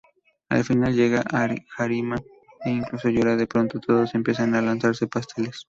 Al final llega Harima e incluso llora, de pronto todos empiezan a lanzarse pasteles.